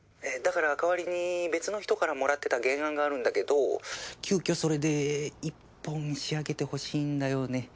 だから代わりに別の人からもらってた原案があるんだけど急きょそれで１本仕上げてほしいんだよね。